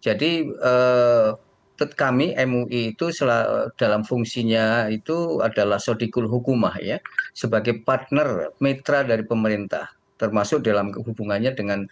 jadi kami mui itu dalam fungsinya itu adalah sodikul hukumah ya sebagai partner mitra dari pemerintah termasuk dalam hubungannya dengan